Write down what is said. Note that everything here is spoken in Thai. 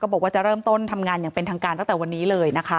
บอกว่าจะเริ่มต้นทำงานอย่างเป็นทางการตั้งแต่วันนี้เลยนะคะ